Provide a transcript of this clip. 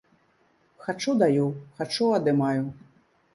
Хачу даю, хачу адымаю.